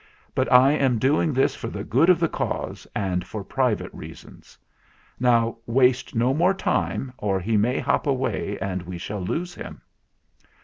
"But I am doing this for the good of the cause and for private reasons. Now waste no more time, or he may hop away and we shall lose him."